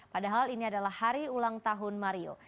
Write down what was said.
padahal ini adalah hari ulang tahun mario